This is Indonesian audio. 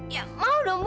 ya mau dong bu